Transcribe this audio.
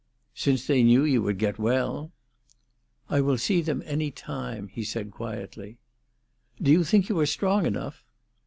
"Since they knew you would get well." "I will see them any time," he said quietly. "Do you think you are strong enough?"